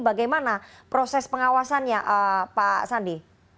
bagaimana proses pengawasannya pak sandi